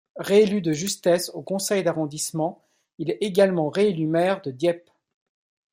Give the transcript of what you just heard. Réélu de justesse au conseil d'arrondissement, il est également réélu maire de Dieppe.